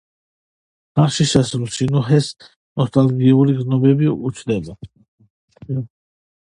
ხანშიშესულ სინუჰეს ნოსტალგიური გრძნობები უჩნდება.